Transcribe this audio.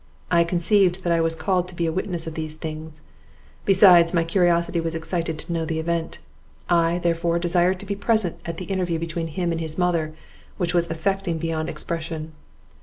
I conceived that I was called to be a witness of these things; besides, my curiosity was excited to know the event; I, therefore, desired to be present at the interview between him and his mother, which was affecting beyond expression.